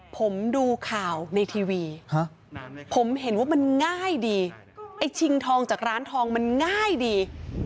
ผมดูข่าวในทีวีผมเห็นว่ามันง่ายดีไอ้ชิงทองจากร้านทองมันง่ายดี